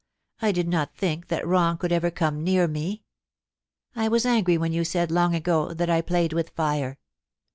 I did not think that wrong could ever come near me. .... I was angry when you said, loi^ ago, that I played with lir&